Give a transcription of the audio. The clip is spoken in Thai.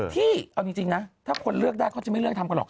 ที่เอาจริงนะถ้าคนเลือกได้เขาจะไม่เลือกทำกันหรอก